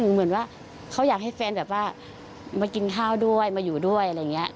เหมือนว่าเขาอยากให้แฟนมากินข้าวด้วยมาอยู่ด้วย